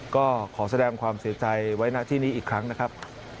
ก็ขอแสดงความเสียใจไว้ณที่นี้อีกครั้งนะครับ